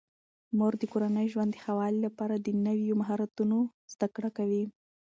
مور د کورني ژوند د ښه والي لپاره د نویو مهارتونو زده کړه کوي.